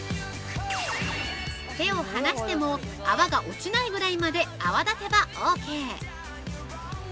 ◆手を離しても、泡が落ちないぐらいまで泡立てばオーケー！